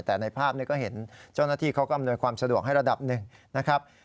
แต่ในภาพก็เห็นเจ้าหน้าที่เขาก็อำนวยความสะดวกให้ระดับหนึ่งนะครับ